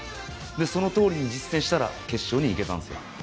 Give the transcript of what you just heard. その通りに実践したら決勝に行けたんですよ。